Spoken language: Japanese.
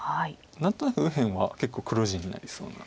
何となく右辺は結構黒地になりそうな。